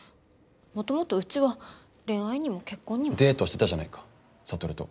もともとうちは恋愛にも結婚にも。デートしてたじゃないか智と。